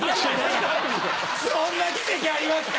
そんな奇跡ありますか？